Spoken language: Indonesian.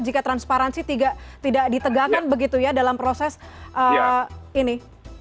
jika transparansi tidak ditegakkan begitu ya dalam proses ini